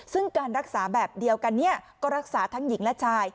ซึ่งการรักษาแบบเดียวกันเนี่ยก็รักษาทั้งหญิงและชาย